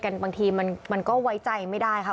บางทีมันก็ไว้ใจไม่ได้ค่ะ